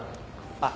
あっ。